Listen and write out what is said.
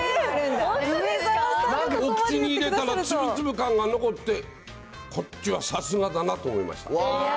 なんかお口に入れたら、粒々感が残って、こっちはさすがだなと思いました。